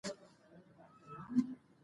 که احسان وي نو پښیماني نه وي.